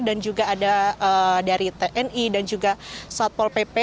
dan juga ada dari tni dan juga satpol pp